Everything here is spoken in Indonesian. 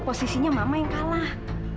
posisinya mama yang kalah